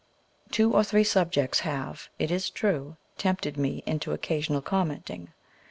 PREFACE. V Two or three subjects have, it is true, tempted me into occasional commenting.